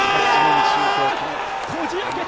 こじ開けた！